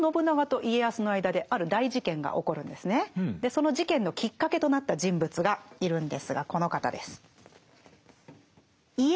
その事件のきっかけとなった人物がいるんですがこの方です。